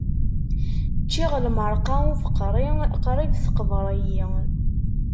Ččiɣ lmerqa ubeqri, qrib teqber-iyi.